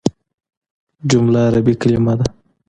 جمله عربي کليمه ده.